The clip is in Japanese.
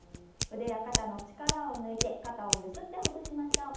腕や肩の力を抜いて肩をゆすってほぐしましょう。